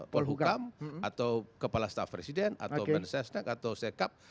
polhukam atau kepala staf presiden atau mensesnek atau sekap